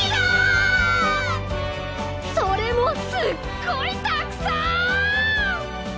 それもすっごいたくさん！